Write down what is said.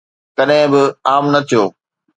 ڪڏهن به عام نه ٿيو.